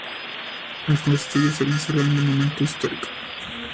El castillo está considerado un monumento histórico.